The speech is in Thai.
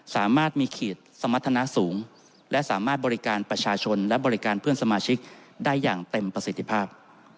สามารถมีขีดสมรรถนะสูงและสามารถบริการประชาชนและบริการเพื่อนสมาชิกได้อย่างเต็มประสิทธิภาพ